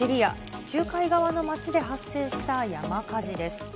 地中海側の町で発生した山火事です。